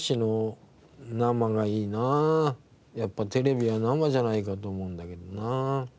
やっぱテレビは生じゃないかと思うんだけどなあ。